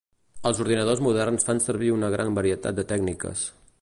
Els ordinadors moderns fan servir una gran varietat de tècniques.